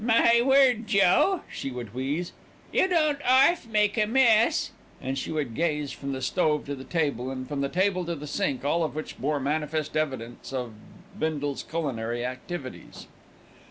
"My word, Joe!" she would wheeze. "You don't 'alf make a mess," and she would gaze from the stove to the table, and from the table to the sink, all of which bore manifest evidence of Bindle's culinary activities.